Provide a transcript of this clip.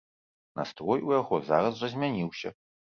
Настрой у яго зараз жа змяніўся.